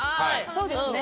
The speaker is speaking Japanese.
そうですね。